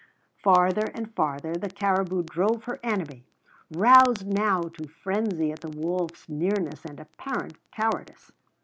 Farther and farther the caribou drove her enemy, roused now to frenzy at the wolf's nearness and apparent cowardice.